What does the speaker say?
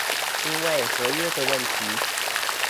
因為合約的問題